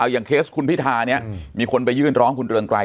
เคสคุณพิธาเนี่ยมีคนไปยื่นร้องคุณเรืองไกร